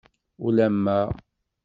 Ulamma.